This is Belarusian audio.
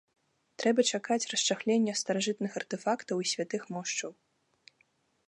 Трэба чакаць расчахлення старажытных артэфактаў і святых мошчаў!